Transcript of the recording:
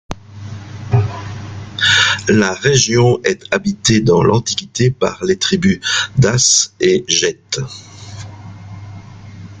La région est habitée dans l’Antiquité par les tribus Daces et Gètes.